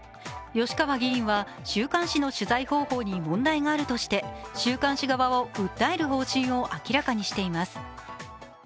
吉川議員は週刊誌の取材方法に問題があるとして週刊誌側を訴える方針を明らかにしています。